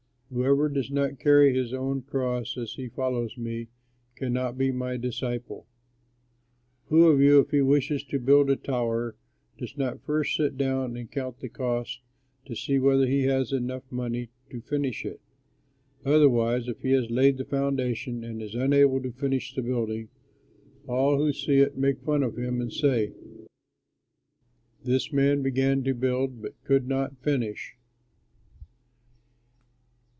Whoever does not carry his own cross, as he follows me, cannot be my disciple. "Who of you, if he wishes to build a tower, does not first sit down and count the cost, to see whether he has money enough to finish it? Otherwise, if he has laid the foundation and is unable to finish the building, all who see it make fun of him and say, 'This man began to build but could not finish!'"